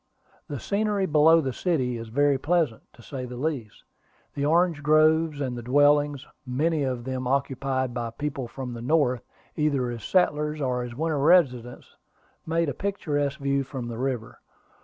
The scenery below the city is very pleasant, to say the least. The orange groves, and the dwellings, many of them occupied by people from the North, either as settlers or as winter residents, made a picturesque view from the river.